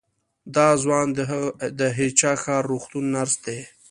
دا ځوان د هه چه ښار روغتون نرس دی.